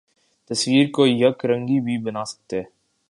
تصویر کو یک رنگی بھی بنا سکتے